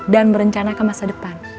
dan berbicara tentang masa depan